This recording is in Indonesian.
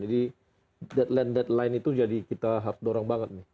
jadi deadline deadline itu jadi kita harus dorong banget nih